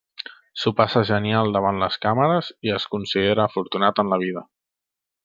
S'ho passa genial davant les càmeres i es considera afortunat en la vida.